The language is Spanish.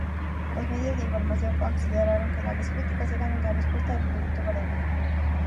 Los medios de información consideraron que tales críticas eran una respuesta al Proyecto Varela.